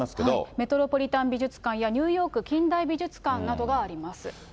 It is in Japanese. メトロポリタン美術館やニューヨーク近代美術館があります。